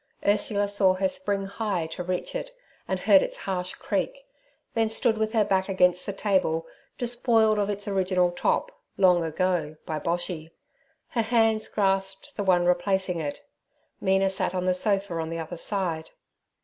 Ursula saw her spring high to reach it, and heard its harsh creak, then stood with her back against the table, despoiled of its original top, long ago, by Boshy. Her hands grasped the one replacing it. Mina sat on the sofa on the other side.